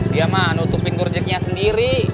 dia mah nutup pinggir jeiknya sendiri